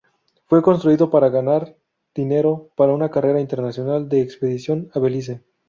Fue construido para ganar dinero para una carrera internacional de expedición a Belice.